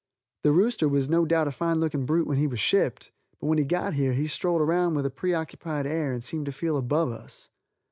The rooster was no doubt a fine looking brute when he was shipped, but when he got here he strolled around with a preoccupied air and seemed to feel above us.